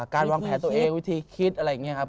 การวางแผนตัวเองวิธีคิดอะไรอย่างนี้ครับ